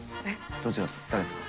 どちらですか？